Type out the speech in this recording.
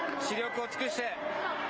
死力を尽くして。